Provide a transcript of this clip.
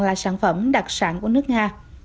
là sản phẩm đặc sản của nước nga